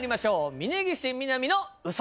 峯岸みなみの嘘。